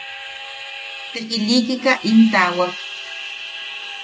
Te ilikika im taawak.